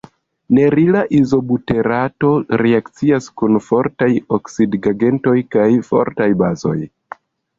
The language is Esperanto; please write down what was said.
Nerila izobuterato reakcias kun fortaj oksidigagentoj kaj fortaj bazoj.